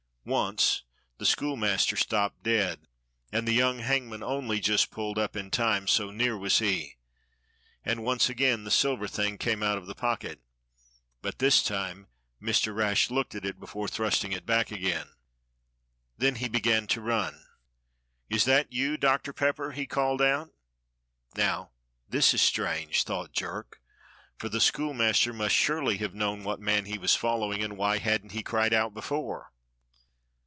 Once the schoolmaster stopped dead, and the young hangman only just pulled up in time, so near was he; and once again the silver thing came out of the pocket, but this time Mr. Rash looked at it before thrusting it back again. Then he began to run. "Is that you. Doctor Pepper.^" he called out. "Now this is strange," thought Jerk, "for the schoolmaster must surely have known what man he was following, and why hadn't he cried out before?"